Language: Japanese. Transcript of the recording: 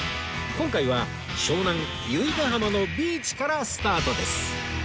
今回は湘南由比ガ浜のビーチからスタートです